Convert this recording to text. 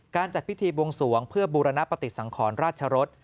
จัดพิธีบวงสวงเพื่อบูรณปฏิสังขรราชรส